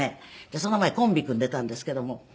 その前コンビ組んでいたんですけども。